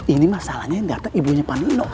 ini masalahnya yang dateng ibunya panino